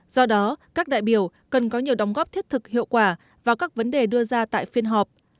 do đó các đại biểu cần có nhiều đóng góp thiết thực hiệu quả vào các vấn đề đưa ra tại phiên họp